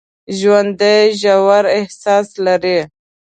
ژوندي ژور احساس لري